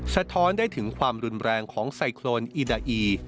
สะท้อนได้ถึงความรุนแรงของไซโครนอีดาอี